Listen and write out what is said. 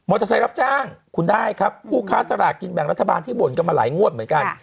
เตอร์ไซค์รับจ้างคุณได้ครับผู้ค้าสลากกินแบ่งรัฐบาลที่บ่นกันมาหลายงวดเหมือนกัน